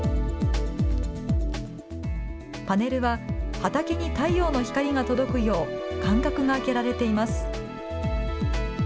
パネルは畑に太陽の光が届くよう間隔が空けられています。